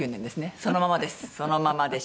そのままでした。